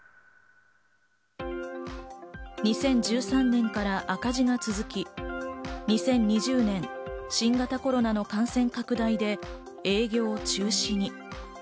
２０１３年から赤字が続き、２０２０年、新型コロナの感染拡大で営業中止に。